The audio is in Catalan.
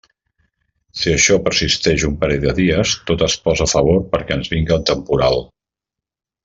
Si això persisteix un parell de dies, tot es posa a favor perquè ens vinga temporal.